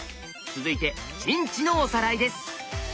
続いて陣地のおさらいです。